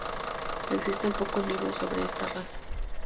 Existen pocos libros sobre esta raza